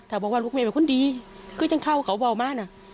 ถ้าบอกมามุกเมฆเป็นคนดีก็จะเข้าเขาบอกมานะ